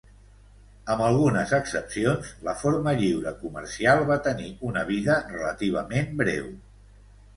Amb algunes excepcions, la forma lliure comercial va tenir una vida relativament breu.